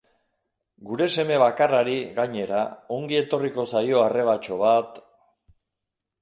Gure seme bakarrari, gainera, ongi etorriko zaio arrebatxo bat...